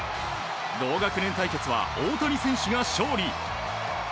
同学年対決は大谷選手が勝利。